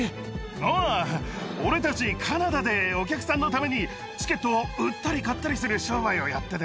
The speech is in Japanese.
ああ、俺たち、カナダでお客さんのために、チケットを売ったり買ったりする商売をやってて。